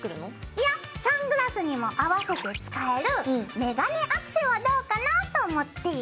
いやサングラスにも合わせて使えるメガネアクセはどうかなと思って。